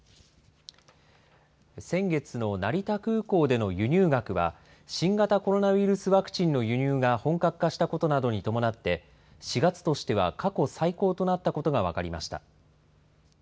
先月の成田空港での輸入額は、新型コロナウイルスワクチンの輸入が本格化したことなどに伴って、４月としては過去最高となったことが分かりました。